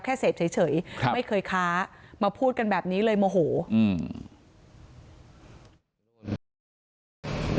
แค่เสพเฉยเฉยครับไม่เคยค้ามาพูดกันแบบนี้เลยโมโหอืม